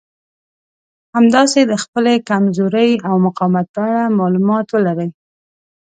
همداسې د خپلې کمزورۍ او مقاومت په اړه مالومات ولرئ.